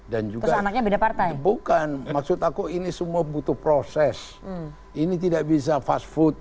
juga anaknya beda partai bukan maksud aku ini semua butuh proses ini tidak bisa fast food